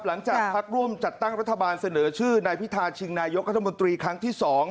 หลังจากพักร่วมจัดตั้งรัฐบาลเสนอชื่อนายพิธาชิงนายกรัฐมนตรีครั้งที่๒